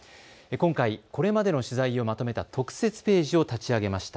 今回、これまでの取材をまとめた特設ページを立ち上げました。